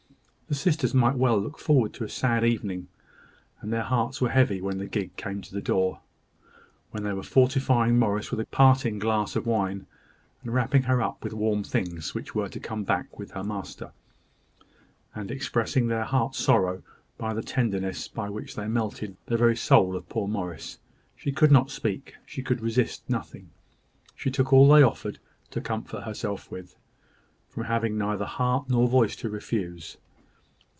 The sisters might well look forward to a sad evening; and their hearts were heavy when the gig came to the door, when they were fortifying Morris with a parting glass of wine, and wrapping her up with warm things which were to come back with her master, and expressing their heart sorrow by the tenderness with which they melted the very soul of poor Morris. She could not speak; she could resist nothing. She took all they offered her to comfort herself with, from having neither heart nor voice to refuse.